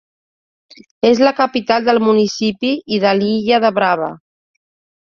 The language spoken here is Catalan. És la capital del municipi i de l'illa de Brava.